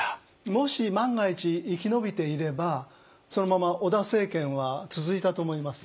もし万が一生き延びていればそのまま織田政権は続いたと思います。